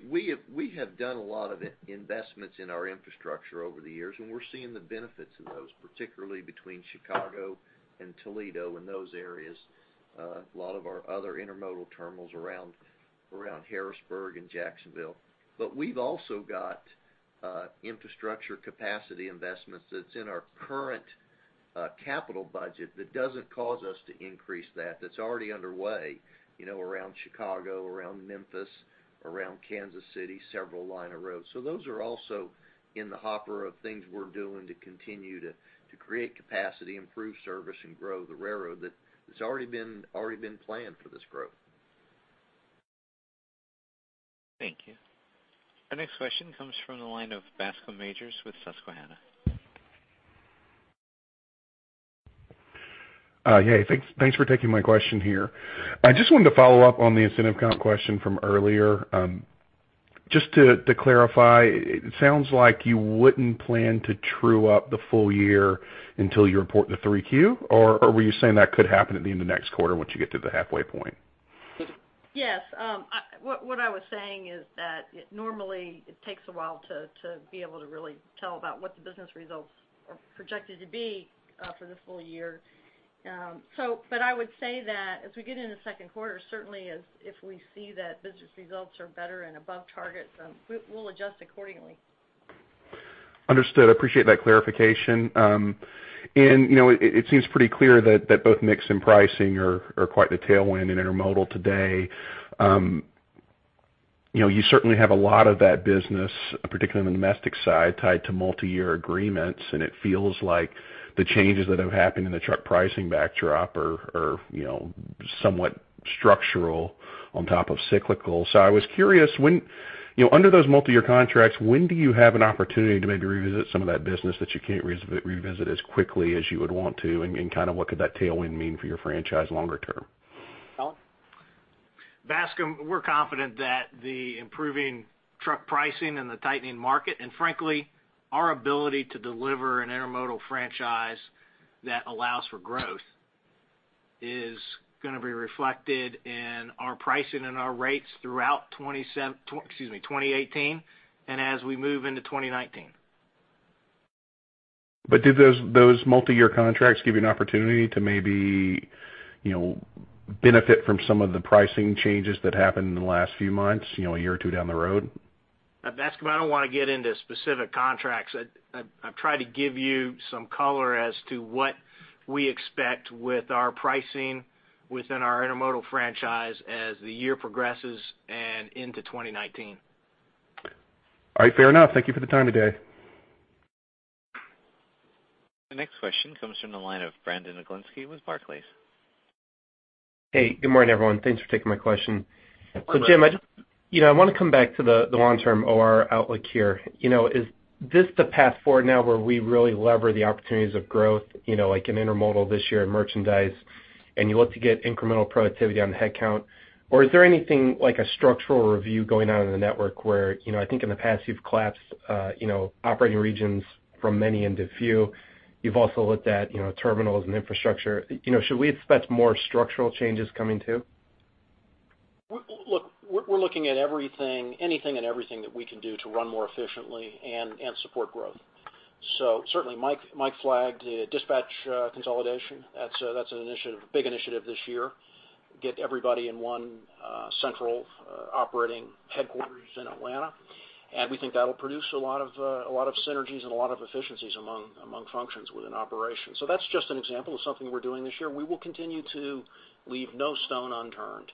E: We have done a lot of investments in our infrastructure over the years. We're seeing the benefits of those, particularly between Chicago and Toledo and those areas. A lot of our other intermodal terminals around Harrisburg and Jacksonville. We've also got infrastructure capacity investments that's in our current capital budget that doesn't cause us to increase that's already underway around Chicago, around Memphis, around Kansas City, several lines of roads. Those are also in the hopper of things we're doing to continue to create capacity, improve service, and grow the railroad that has already been planned for this growth.
A: Thank you. Our next question comes from the line of Bascome Majors with Susquehanna.
O: Hey. Thanks for taking my question here. I just wanted to follow up on the incentive comp question from earlier. Just to clarify, it sounds like you wouldn't plan to true up the full year until you report the 3Q, or were you saying that could happen at the end of next quarter once you get to the halfway point?
F: Yes. What I was saying is that it normally takes a while to be able to really tell about what the business results are projected to be for the full year. I would say that as we get into the 2Q, certainly if we see that business results are better and above target, we'll adjust accordingly.
O: Understood. Appreciate that clarification. It seems pretty clear that both mix and pricing are quite the tailwind in Intermodal today. You certainly have a lot of that business, particularly on the domestic side, tied to multi-year agreements, it feels like the changes that have happened in the truck pricing backdrop are somewhat structural on top of cyclical. I was curious, under those multi-year contracts, when do you have an opportunity to maybe revisit some of that business that you can't revisit as quickly as you would want to, what could that tailwind mean for your franchise longer term?
D: Bascome, we're confident that the improving truck pricing and the tightening market, and frankly, our ability to deliver an Intermodal franchise that allows for growth, is going to be reflected in our pricing and our rates throughout 2018 and as we move into 2019.
O: do those multi-year contracts give you an opportunity to maybe benefit from some of the pricing changes that happened in the last few months, a year or two down the road?
D: Bascome, I don't want to get into specific contracts. I've tried to give you some color as to what we expect with our pricing within our Intermodal franchise as the year progresses and into 2019.
O: All right. Fair enough. Thank you for the time today.
A: The next question comes from the line of Brandon Oglenski with Barclays.
P: Hey, good morning, everyone. Thanks for taking my question. Jim, I just want to come back to the long-term OR outlook here. Is this the path forward now where we really lever the opportunities of growth, like in Intermodal this year in merchandise, and you look to get incremental productivity on the headcount? Or is there anything like a structural review going on in the network where, I think in the past you've collapsed operating regions from many into few. You've also looked at terminals and infrastructure. Should we expect more structural changes coming, too?
C: Look, we're looking at anything and everything that we can do to run more efficiently and support growth. Certainly, Mike flagged dispatch consolidation. That's a big initiative this year. Get everybody in one central operating headquarters in Atlanta. We think that'll produce a lot of synergies and a lot of efficiencies among functions within operations. That's just an example of something we're doing this year. We will continue to leave no stone unturned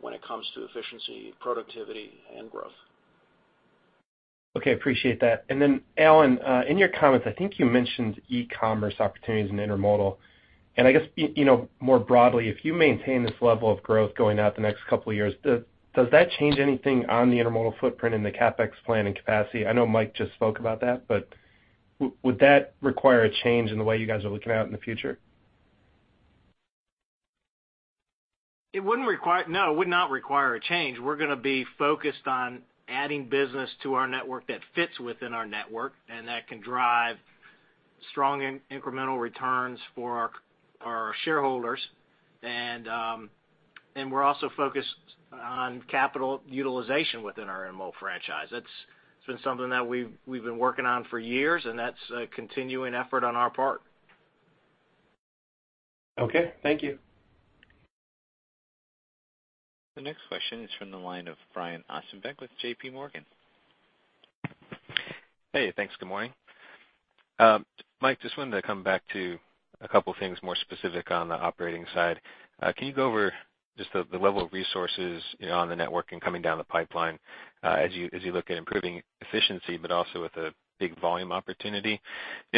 C: when it comes to efficiency, productivity, and growth.
P: Okay. Appreciate that. Alan, in your comments, I think you mentioned e-commerce opportunities in Intermodal. I guess, more broadly, if you maintain this level of growth going out the next couple of years, does that change anything on the Intermodal footprint in the CapEx plan and capacity? I know Mike just spoke about that, but would that require a change in the way you guys are looking out in the future?
D: No, it would not require a change. We're going to be focused on adding business to our network that fits within our network and that can drive strong incremental returns for our shareholders. We're also focused on capital utilization within our Intermodal franchise. It's been something that we've been working on for years, and that's a continuing effort on our part.
P: Okay. Thank you.
A: The next question is from the line of Brian Ossenbeck with J.P. Morgan.
Q: Hey, thanks. Good morning. Mike, just wanted to come back to a couple things more specific on the operating side. Can you go over just the level of resources on the network and coming down the pipeline as you look at improving efficiency, but also with a big volume opportunity?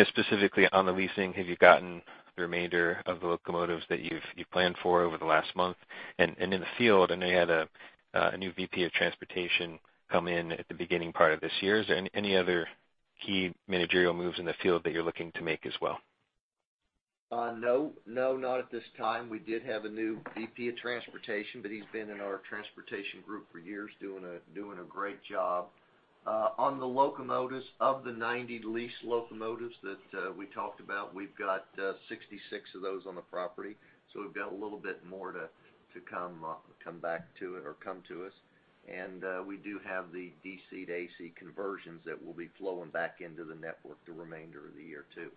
Q: Specifically on the leasing, have you gotten the remainder of the locomotives that you've planned for over the last month? In the field, I know you had a new VP of Transportation come in at the beginning part of this year. Is there any other key managerial moves in the field that you're looking to make as well?
E: No, not at this time. We did have a new VP of Transportation, but he's been in our transportation group for years doing a great job. On the locomotives, of the 90 lease locomotives that we talked about, we've got 66 of those on the property. We've got a little bit more to come back to it or come to us. We do have the DC to AC conversions that will be flowing back into the network the remainder of the year too.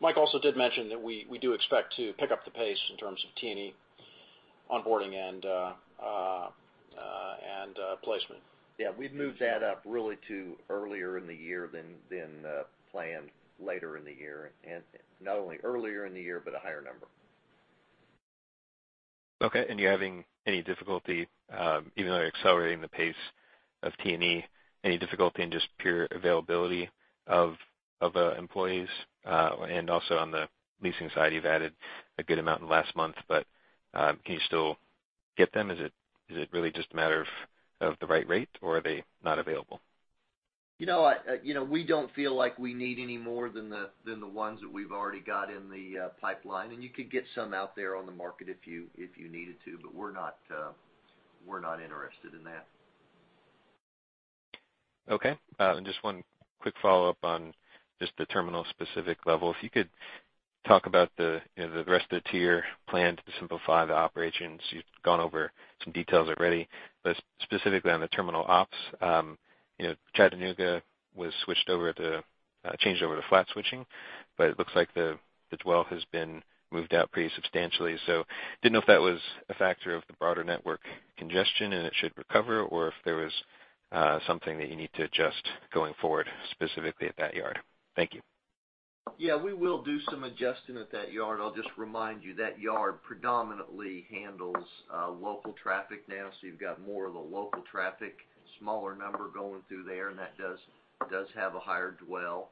C: Mike also did mention that we do expect to pick up the pace in terms of T&E onboarding and placement.
E: Yeah. We've moved that up really to earlier in the year than planned later in the year. Not only earlier in the year, but a higher number.
Q: Okay, you're having any difficulty, even though you're accelerating the pace of T&E, any difficulty in just pure availability of employees? Also on the leasing side, you've added a good amount in the last month, can you still get them? Is it really just a matter of the right rate or are they not available?
E: We don't feel like we need any more than the ones that we've already got in the pipeline. You could get some out there on the market if you needed to, we're not interested in that.
Q: Okay. Just one quick follow-up on just the terminal specific level. If you could talk about the rest of the tier plan to simplify the operations. You've gone over some details already, but specifically on the terminal ops. Chattanooga was changed over to flat switching, but it looks like the dwell has been moved out pretty substantially. Didn't know if that was a factor of the broader network congestion, and it should recover or if there was something that you need to adjust going forward, specifically at that yard. Thank you.
E: Yeah, we will do some adjusting at that yard. I'll just remind you, that yard predominantly handles local traffic now, so you've got more of the local traffic, smaller number going through there, and that does have a higher dwell.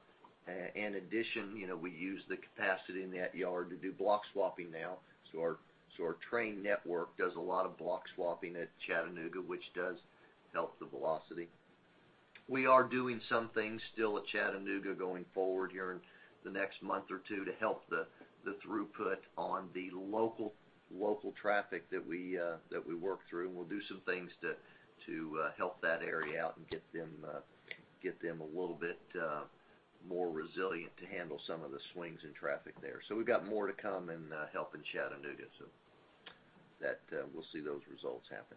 E: In addition, we use the capacity in that yard to do block swapping now. Our train network does a lot of block swapping at Chattanooga, which does help the velocity. We are doing some things still at Chattanooga going forward here in the next month or two to help the throughput on the local traffic that we work through, and we'll do some things to help that area out and get them a little bit more resilient to handle some of the swings in traffic there. We've got more to come in helping Chattanooga, so we'll see those results happen.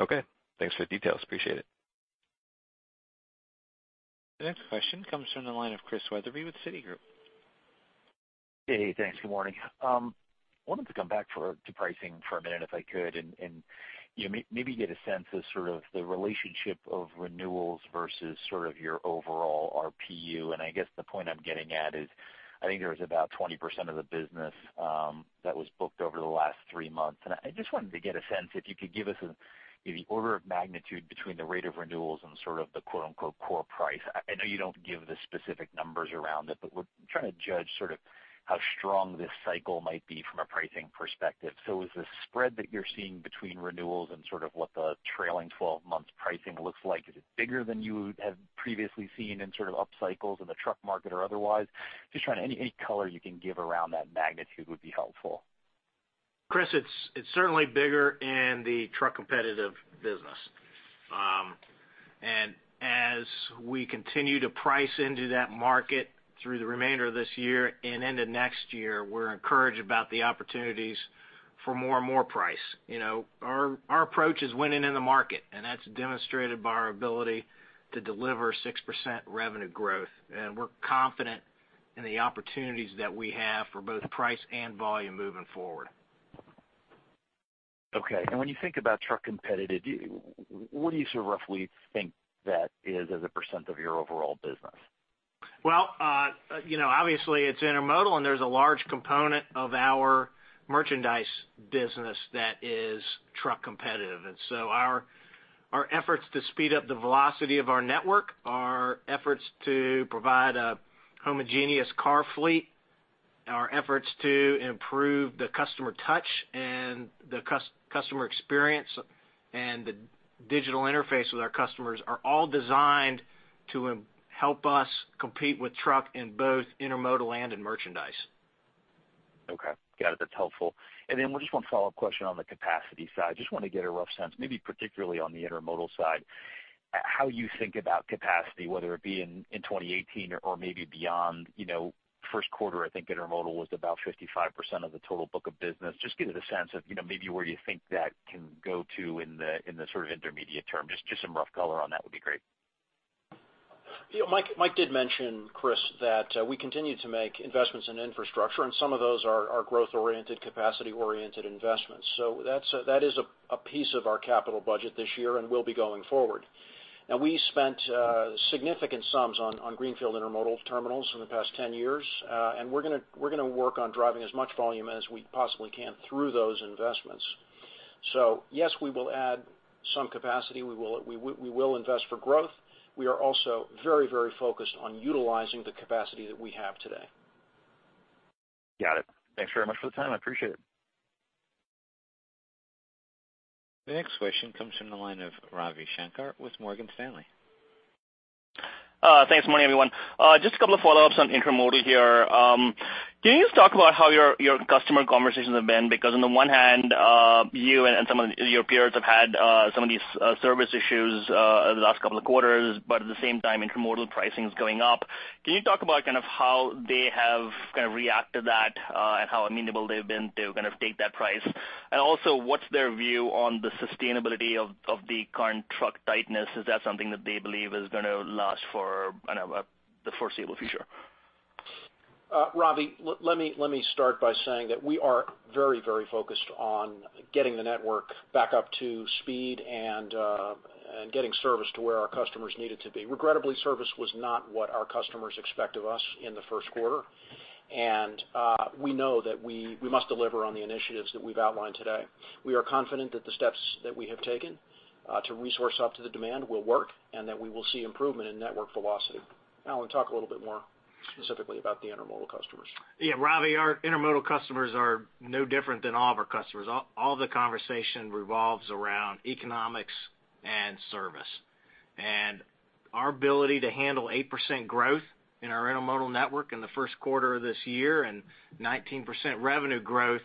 Q: Okay. Thanks for the details. Appreciate it.
A: The next question comes from the line of Christian Wetherbee with Citigroup.
R: Hey, thanks. Good morning. I wanted to come back to pricing for a minute, if I could, and maybe get a sense of sort of the relationship of renewals versus sort of your overall RPU. I guess the point I'm getting at is, I think there was about 20% of the business that was booked over the last three months. I just wanted to get a sense, if you could give us the order of magnitude between the rate of renewals and sort of the "core price." I know you don't give the specific numbers around it, but we're trying to judge sort of how strong this cycle might be from a pricing perspective. Is the spread that you're seeing between renewals and sort of what the trailing 12 months pricing looks like, is it bigger than you have previously seen in sort of up cycles in the truck market or otherwise? Any color you can give around that magnitude would be helpful.
D: Chris, it's certainly bigger in the truck competitive business. As we continue to price into that market through the remainder of this year and into next year, we're encouraged about the opportunities for more and more price. Our approach is winning in the market, and that's demonstrated by our ability to deliver 6% revenue growth. We're confident in the opportunities that we have for both price and volume moving forward.
R: Okay. When you think about truck competitive, what do you sort of roughly think that is as a % of your overall business?
D: Well, obviously it's intermodal and there's a large component of our merchandise business that is truck competitive. Our efforts to speed up the velocity of our network, our efforts to provide a homogeneous car fleet, our efforts to improve the customer touch and the customer experience and the digital interface with our customers are all designed to help us compete with truck in both intermodal and in merchandise.
R: Okay. Got it. That's helpful. Just one follow-up question on the capacity side. Just want to get a rough sense, maybe particularly on the intermodal side, how you think about capacity, whether it be in 2018 or maybe beyond. First quarter, I think intermodal was about 55% of the total book of business. Just give it a sense of maybe where you think that can go to in the sort of intermediate term, just some rough color on that would be great.
C: Mike did mention, Chris, that we continue to make investments in infrastructure. Some of those are growth oriented, capacity oriented investments. That is a piece of our capital budget this year and will be going forward. Now, we spent significant sums on greenfield intermodal terminals in the past 10 years. We're going to work on driving as much volume as we possibly can through those investments. Yes, we will add some capacity. We will invest for growth. We are also very focused on utilizing the capacity that we have today.
R: Got it. Thanks very much for the time. I appreciate it.
A: The next question comes from the line of Ravi Shanker with Morgan Stanley.
S: Thanks. Morning, everyone. Just a couple of follow-ups on intermodal here. Can you just talk about how your customer conversations have been? Because on the one hand, you and some of your peers have had some of these service issues over the last couple of quarters, but at the same time, intermodal pricing is going up. Can you talk about how they have reacted to that and how amenable they've been to take that price? Also, what's their view on the sustainability of the current truck tightness? Is that something that they believe is going to last for the foreseeable future?
C: Ravi, let me start by saying that we are very focused on getting the network back up to speed and getting service to where our customers need it to be. Regrettably, service was not what our customers expect of us in the first quarter. We know that we must deliver on the initiatives that we've outlined today. We are confident that the steps that we have taken to resource up to the demand will work, and that we will see improvement in network velocity. Alan, talk a little bit more specifically about the intermodal customers.
D: Yeah, Ravi, our intermodal customers are no different than all of our customers. All the conversation revolves around economics and service. Our ability to handle 8% growth in our intermodal network in the first quarter of this year and 19% revenue growth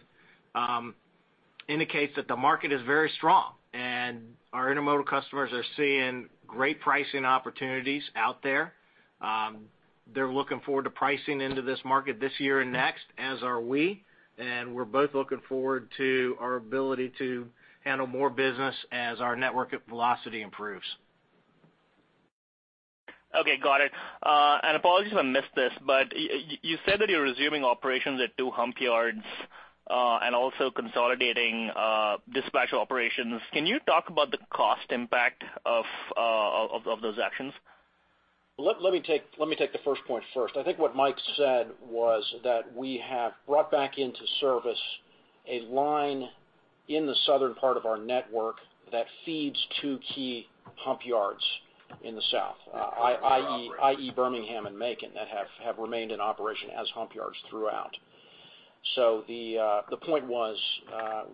D: indicates that the market is very strong. Our intermodal customers are seeing great pricing opportunities out there. They're looking forward to pricing into this market this year and next, as are we're both looking forward to our ability to handle more business as our network velocity improves.
S: Okay, got it. Apologies if I missed this, you said that you're resuming operations at 2 hump yards, also consolidating dispatch operations. Can you talk about the cost impact of those actions?
C: Let me take the first point first. I think what Mike said was that we have brought back into service a line in the southern part of our network that feeds 2 key hump yards in the south, i.e. Birmingham and Macon, that have remained in operation as hump yards throughout. The point was,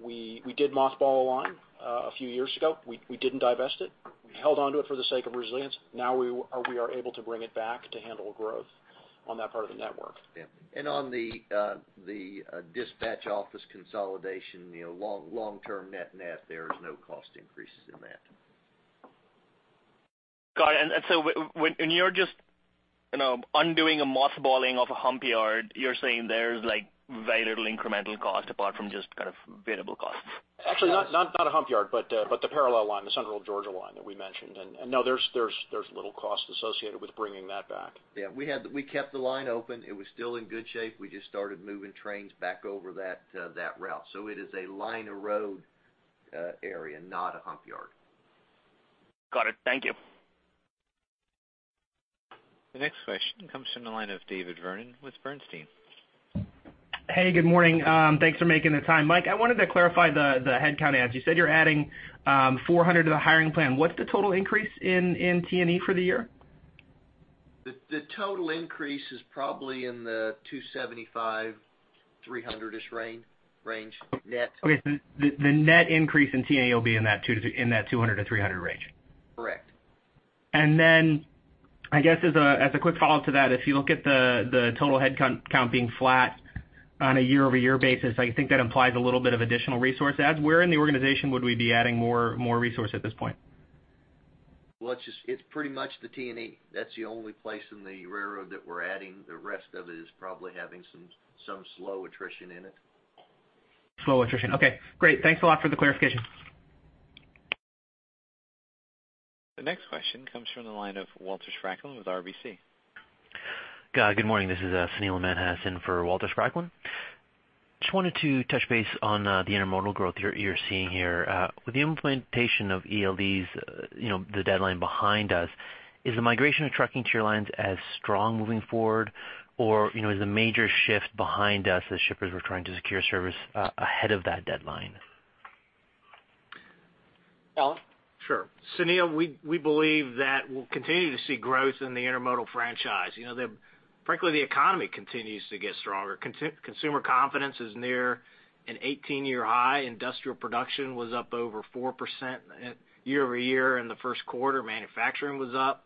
C: we did mothball a line a few years ago. We didn't divest it. We held onto it for the sake of resilience. Now we are able to bring it back to handle growth on that part of the network.
D: Yeah. On the dispatch office consolidation, long-term net, there is no cost increases in that.
S: Got it. When you're just undoing a mothballing of a hump yard, you're saying there's very little incremental cost apart from just variable costs.
C: Actually, not a hump yard, but the parallel line, the Central of Georgia Railway line that we mentioned. No, there's little cost associated with bringing that back.
E: Yeah. We kept the line open. It was still in good shape. We just started moving trains back over that route. It is a line of road area, not a hump yard.
S: Got it. Thank you.
A: The next question comes from the line of David Vernon with Bernstein.
T: Hey, good morning. Thanks for making the time. Mike, I wanted to clarify the headcount adds. You said you're adding 400 to the hiring plan. What's the total increase in T&E for the year?
E: The total increase is probably in the 275, 300-ish range net.
T: The net increase in T&E will be in that 200 to 300 range.
E: Correct.
T: I guess as a quick follow-up to that, if you look at the total headcount being flat on a year-over-year basis, I think that implies a little bit of additional resource adds. Where in the organization would we be adding more resource at this point?
E: It's pretty much the T&E. That's the only place in the railroad that we're adding. The rest of it is probably having some slow attrition in it.
T: Slow attrition. Okay, great. Thanks a lot for the clarification.
A: The next question comes from the line of Walter Spracklin with RBC.
U: Good morning. This is Sunil Manhas in for Walter Spracklin. Just wanted to touch base on the intermodal growth you're seeing here. With the implementation of ELDs, the deadline behind us, is the migration of trucking to your lines as strong moving forward, or is a major shift behind us as shippers were trying to secure service ahead of that deadline?
D: Alan? Sure. Sunil, we believe that we'll continue to see growth in the intermodal franchise. Frankly, the economy continues to get stronger. Consumer confidence is near an 18-year high. Industrial production was up over 4% year-over-year in the first quarter. Manufacturing was up.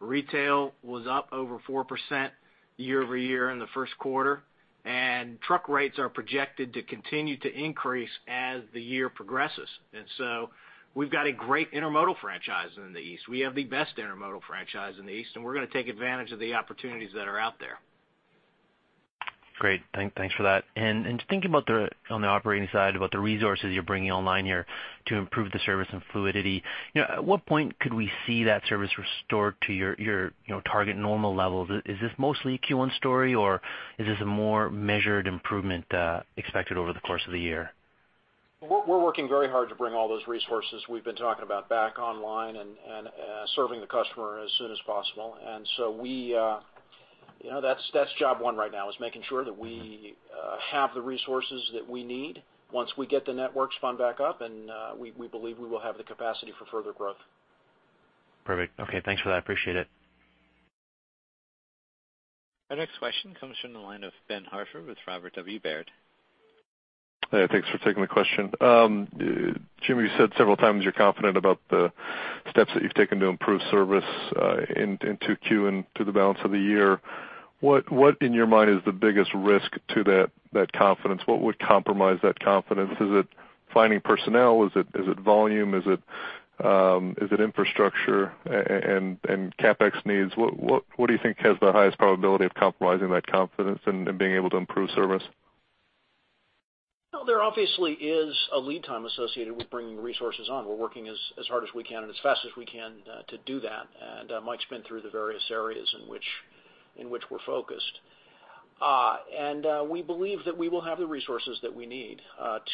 D: Retail was up over 4% year-over-year in the first quarter. Truck rates are projected to continue to increase as the year progresses. We've got a great intermodal franchise in the east. We have the best intermodal franchise in the east. We're going to take advantage of the opportunities that are out there.
U: Great. Thanks for that. Thinking about on the operating side, about the resources you're bringing online here to improve the service and fluidity, at what point could we see that service restored to your target normal levels? Is this mostly a Q1 story, or is this a more measured improvement expected over the course of the year?
C: We're working very hard to bring all those resources we've been talking about back online and serving the customer as soon as possible. That's job one right now is making sure that we have the resources that we need once we get the networks spun back up. We believe we will have the capacity for further growth.
U: Perfect. Okay. Thanks for that. Appreciate it.
A: Our next question comes from the line of Ben Hartford with Robert W. Baird.
V: Hey, thanks for taking the question. Jim, you said several times you're confident about the steps that you've taken to improve service in 2Q and through the balance of the year, what in your mind is the biggest risk to that confidence? What would compromise that confidence? Is it finding personnel? Is it volume? Is it infrastructure and CapEx needs? What do you think has the highest probability of compromising that confidence and being able to improve service?
C: Well, there obviously is a lead time associated with bringing resources on. We're working as hard as we can and as fast as we can to do that. Mike's been through the various areas in which we're focused. We believe that we will have the resources that we need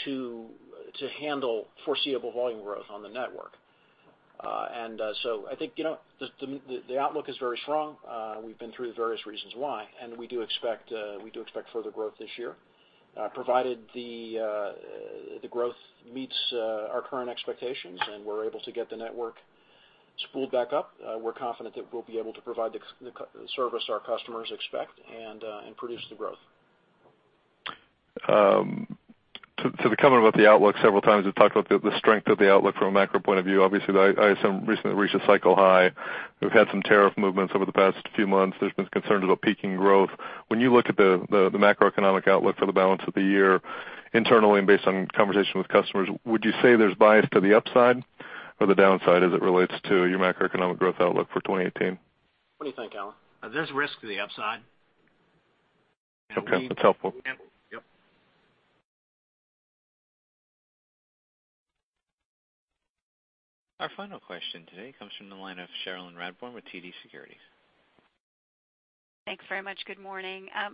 C: to handle foreseeable volume growth on the network. I think the outlook is very strong. We've been through the various reasons why, and we do expect further growth this year, provided the growth meets our current expectations and we're able to get the network spooled back up. We're confident that we'll be able to provide the service our customers expect and produce the growth.
V: To the comment about the outlook, several times you've talked about the strength of the outlook from a macro point of view. Obviously, the ISM recently reached a cycle high. We've had some tariff movements over the past few months. There's been concerns about peaking growth. When you look at the macroeconomic outlook for the balance of the year internally and based on conversations with customers, would you say there's bias to the upside or the downside as it relates to your macroeconomic growth outlook for 2018?
C: What do you think, Alan?
D: There's risk to the upside.
V: Okay, that's helpful.
D: Yep.
A: Our final question today comes from the line of Cherilyn Radbourne with TD Securities.
W: Thanks very much. Good morning. I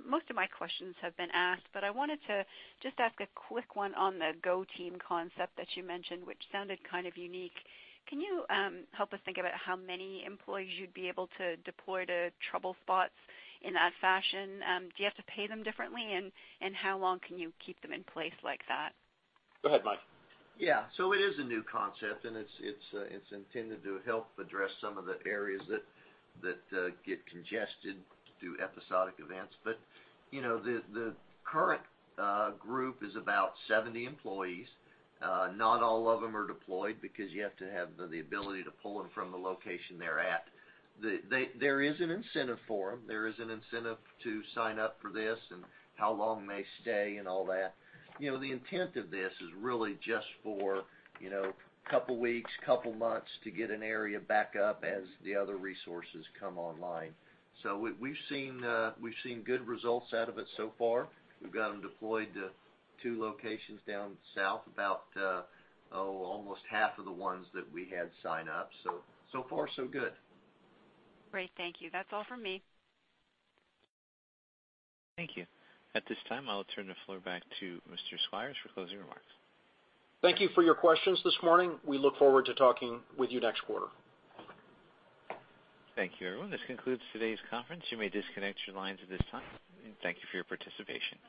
W: wanted to just ask a quick one on the Go Team concept that you mentioned, which sounded kind of unique. Can you help us think about how many employees you'd be able to deploy to trouble spots in that fashion? Do you have to pay them differently, and how long can you keep them in place like that?
C: Go ahead, Mike.
E: It is a new concept, and it's intended to help address some of the areas that get congested due to episodic events. The current group is about 70 employees. Not all of them are deployed because you have to have the ability to pull them from the location they're at. There is an incentive for them. There is an incentive to sign up for this and how long they stay and all that. The intent of this is really just for a couple of weeks, couple months to get an area back up as the other resources come online. We've seen good results out of it so far. We've got them deployed to two locations down south, about almost half of the ones that we had sign up. Far, so good.
W: Great. Thank you. That's all for me.
A: Thank you. At this time, I'll turn the floor back to Mr. Squires for closing remarks.
C: Thank you for your questions this morning. We look forward to talking with you next quarter.
A: Thank you, everyone. This concludes today's conference. You may disconnect your lines at this time, and thank you for your participation.